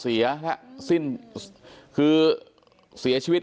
เป็นมีดปลายแหลมยาวประมาณ๑ฟุตนะฮะที่ใช้ก่อเหตุ